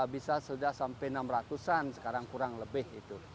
bisa sudah sampai enam ratusan sekarang kurang lebih itu